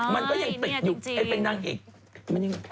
มันก็ยังติดอยู่ไอ้เป็นนางเอก